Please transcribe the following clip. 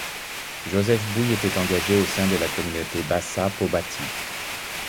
Joseph Mboui était engagé au sein de la communauté Bassa-Mpoo-Bati.